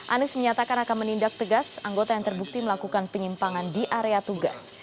anies menyatakan akan menindak tegas anggota yang terbukti melakukan penyimpangan di area tugas